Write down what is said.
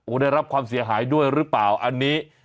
ได้รับความเสียหายด้วยหรือเปล่าอันนี้